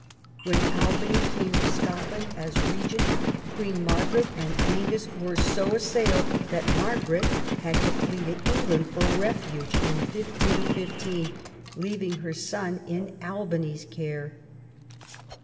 When Albany came to Scotland as Begent, Queen Margaret and Angus were so assailed that Margaret had to flee to England for refuge in 1515, leaving her son in Albany's care.